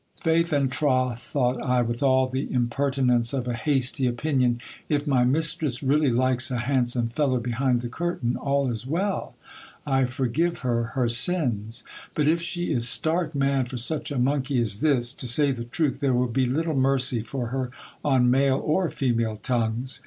Faith and troth, thought I, with all the impertinence of a hasty opinion, if my mistress really likes a handsome fellow behind the curtain, all is well ; I forgive her her sins : but if she is stark mad for such a monkey as this, to say the truth, there will be little mercy for her on male or female tongues.